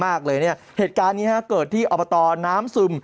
มากเลยนะเหตุการณ์นี้เกิดที่อบตน้ำซึม